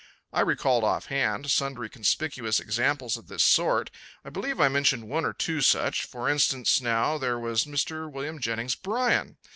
I recalled, offhand, sundry conspicuous examples of this sort. I believe I mentioned one or two such. For instance, now, there was Mr. William Jennings Bryan.